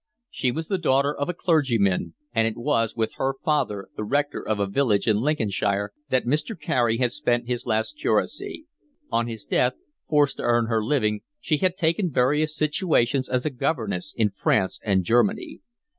She was the daughter of a clergyman, and it was with her father, the rector of a village in Lincolnshire, that Mr. Carey had spent his last curacy; on his death, forced to earn her living, she had taken various situations as a governess in France and Germany.